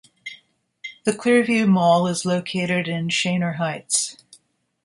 The Clearview Mall is located in Shanor Heights.